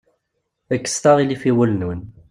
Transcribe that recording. Kkset aɣilif i wul-nwen.